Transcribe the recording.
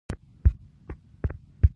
د احمد سترګې وږې دي؛ په سل کاله نه مړېږي.